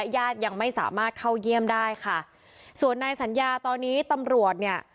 ญาติยังไม่สามารถเข้าเยี่ยมได้ค่ะส่วนนายสัญญาตอนนี้ตำรวจเนี่ย